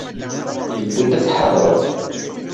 Tewwi-d ad tḥadreḍ.